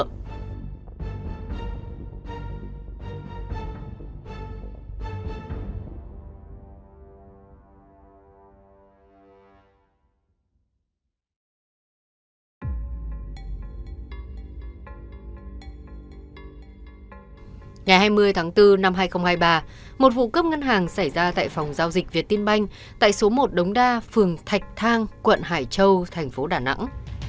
ngày hai mươi tháng bốn năm hai nghìn hai mươi ba một vụ cướp ngân hàng xảy ra tại phòng giao dịch việt tiên banh tại số một đống đa phường thạch thang quận hải châu thành phố đà nẵng